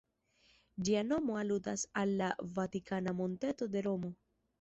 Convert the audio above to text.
Ĝia nomo aludas al la Vatikana monteto de Romo.